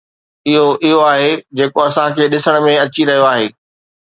اھو اھو آھي جيڪو اسان کي ڏسڻ ۾ اچي رھيو آھي.